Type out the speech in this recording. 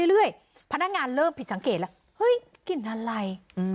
พนักงานเริ่มผิดสังเกตแล้วเฮ้ยกลิ่นอะไร